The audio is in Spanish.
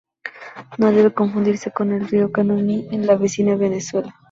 No debe confundirse con el Río Caroní en la vecina Venezuela.